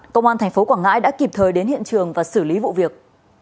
công an thành phố quảng ngãi đã kịp thời đến hiện trường và xử lý vụ việc